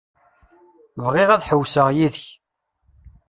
Bɣiɣ ad ḥewwseɣ yid-k.